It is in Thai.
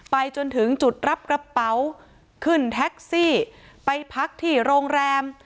จนถึงจุดรับกระเป๋าขึ้นแท็กซี่ไปพักที่โรงแรม